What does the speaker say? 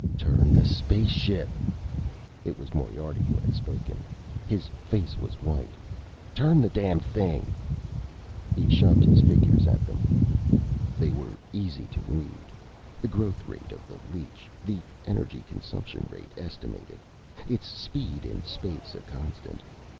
"Turn the spaceship!" It was Moriarty who had spoken. His face was white. "Turn the damned thing!" He shoved his figures at them. They were easy to read. The growth rate of the leech. The energy consumption rate, estimated. Its speed in space, a constant.